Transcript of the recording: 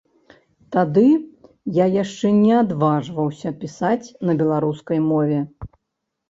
Тады я яшчэ не адважваўся пісаць на беларускай мове.